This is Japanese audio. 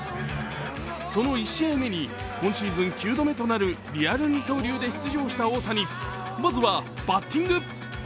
その１試合目に今シーズン９度目となるリアル二刀流で出場した大谷、まずはバッティング。